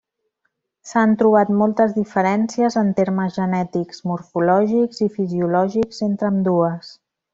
S'han trobat moltes diferències en termes genètics, morfològics i fisiològics entre ambdues.